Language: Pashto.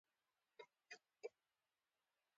حیران وم چې پاس په غره کې پوځیان به څنګه لاندې راځي.